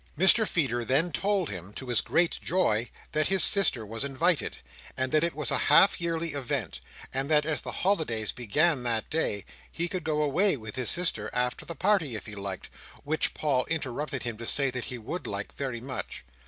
Mr Feeder then told him, to his great joy, that his sister was invited, and that it was a half yearly event, and that, as the holidays began that day, he could go away with his sister after the party, if he liked, which Paul interrupted him to say he would like, very much.